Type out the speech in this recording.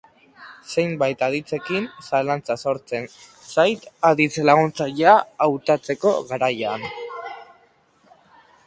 Zenbait aditzekin zalantza sortzen zait aditz laguntzailea hautatzeko garaian.